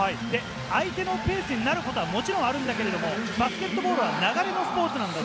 相手のペースになることはもちろんあるんだけれども、バスケットボールは流れのスポーツなんだ。